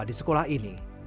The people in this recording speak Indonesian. di sekolah ini